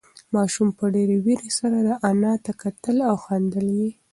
ماشوم په ډېرې وېرې سره انا ته کتل او خندل یې.